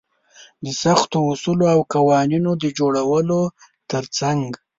د سختو اصولو او قوانينونو د جوړولو تر څنګ.